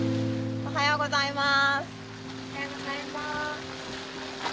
おはようございます。